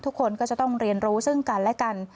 ทุกคนก็จะต้องเรียนรู้ซึ่งกันและกัน